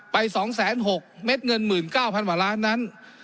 ไป๒๖๐๐เมตรเงิน๑๙๐๐๐บาทนั้น